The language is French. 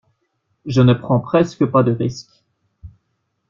Je ne prends presque pas de risques.